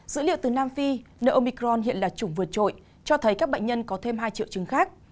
dữ liệu từ nam phi neomicron hiện là chủng vượt trội cho thấy các bệnh nhân có thêm hai triệu chứng khác